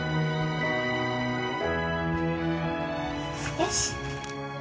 よし！